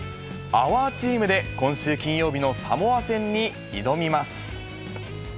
ＯＵＲＴＥＡＭで今週金曜日のサモア戦に挑みます。